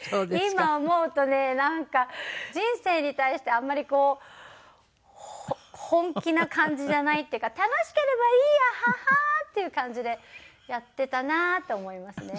今思うとねなんか人生に対してあんまりこう本気な感じじゃないっていうか楽しければいいやハハッ！っていう感じでやっていたなと思いますね。